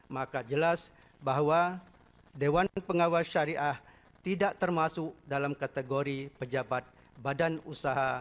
maka jelas bahwa dewan pengawas syariah tidak termasuk dalam kategori pejabat badan usaha